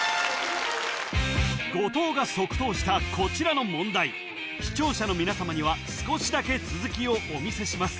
後藤が即答したこちらの問題視聴者の皆様には少しだけ続きをお見せします